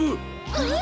えっ？